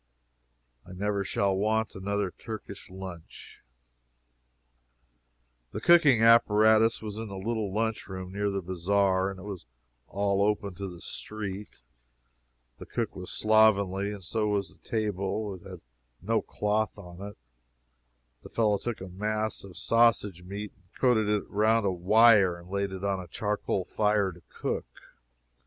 I never shall want another Turkish lunch. The cooking apparatus was in the little lunch room, near the bazaar, and it was all open to the street. The cook was slovenly, and so was the table, and it had no cloth on it. The fellow took a mass of sausage meat and coated it round a wire and laid it on a charcoal fire to cook.